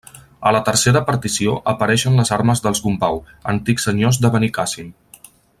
A la tercera partició apareixen les armes dels Gombau, antics senyors de Benicàssim.